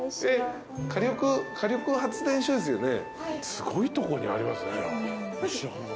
すごいとこにありますね。